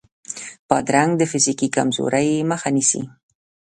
بادرنګ د فزیکي کمزورۍ مخه نیسي.